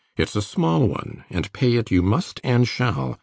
It's a small one; and pay it you must and shall.